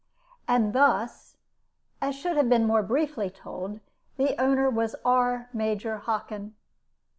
And thus as should have been more briefly told the owner was our Major Hockin.